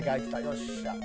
よっしゃ！